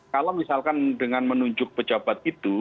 kalau misalkan dengan menunjuk pejabat itu